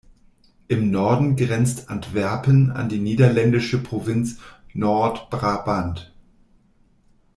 Im Norden grenzt Antwerpen an die niederländische Provinz Noord-Brabant.